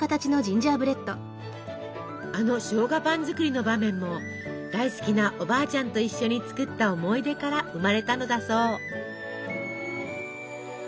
あのしょうがパン作りの場面も大好きなおばあちゃんと一緒に作った思い出から生まれたのだそう。